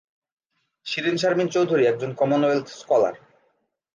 শিরীন শারমিন চৌধুরী একজন Commonwealth scholar.